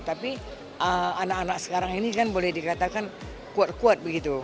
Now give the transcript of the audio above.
tapi anak anak sekarang ini kan boleh dikatakan kuat kuat begitu